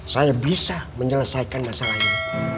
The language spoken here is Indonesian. saya bisa menyelesaikan masalah ini